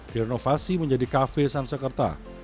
direnovasi menjadi cafe sansekerta